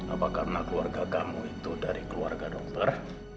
apa karena keluarga kamu itu dari keluarga dokter